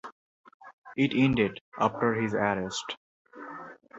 It ended after his arrest.